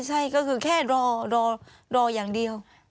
ใช่ก็คือแค่รออย่างเดียว